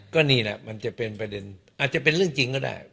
ก็นี่แหละมันจะเป็นประเด็นอาจจะเป็นเรื่องจริงก็ได้